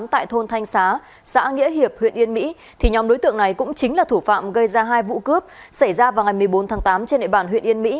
tại thôn thanh xá xã nghĩa hiệp huyện yên mỹ nhóm đối tượng này cũng chính là thủ phạm gây ra hai vụ cướp xảy ra vào ngày một mươi bốn tháng tám trên địa bàn huyện yên mỹ